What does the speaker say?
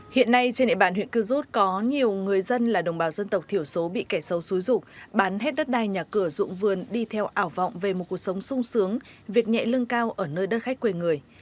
hiện nay trên địa bàn huyện cư rút có nhiều người dân là đồng bào dân tộc thiểu số bị kẻ sâu xúi rục bán hết đất đai nhà cửa dụng vườn đi theo ảo vọng về một cuộc sống sung sướng việc nhẹ lương cao ở nơi đất khách quê người